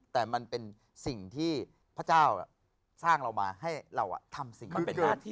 แต่มันเป็นสิ่งที่พระเจ้าสร้างเรามาให้เราทำสิ่งมันเป็นหน้าที่